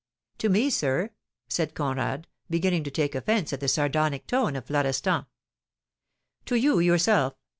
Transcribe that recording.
"To me, sir?" said Conrad, beginning to take offence at the sardonic tone of Florestan. "To you yourself.